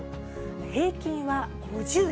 平均は５０代。